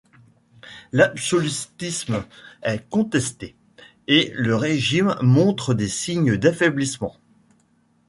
L'absolutisme est contesté, et le régime montre des signes d'affaiblissement.